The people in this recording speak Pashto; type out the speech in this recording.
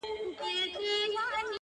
او فکر ژور نقد وړلاندي کوي